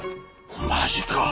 マジか。